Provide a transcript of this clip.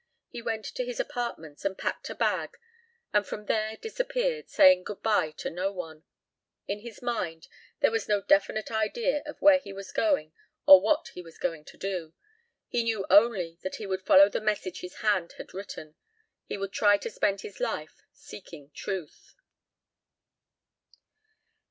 He went to his apartments and packed a bag and from there disappeared saying goodbye to no one. In his mind was no definite idea of where he was going or what he was going to do. He knew only that he would follow the message his hand had written. He would try to spend his life seeking truth.